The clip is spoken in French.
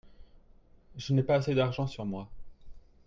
Je n'ai pas assez d'argent sur moi.